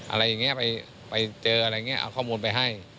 อะไรอย่างนี้ไปเจออะไรอย่างนี้เอาข้อมูลไปให้